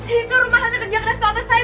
ini tuh rumah hasil kerja keras papa saya